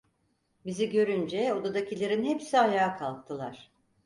Bizi görünce odadakilerin hepsi ayağa kalktılar.